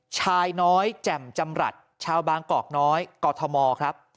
ชายน้อยแจ่มจำรัฐชาวบางกอกน้อยกอทมครับ